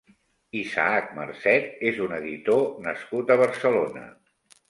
Isaac Marcet és un editor nascut a Barcelona.